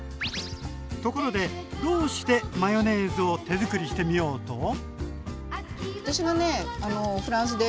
ところでどうしてマヨネーズを手づくりしてみようと？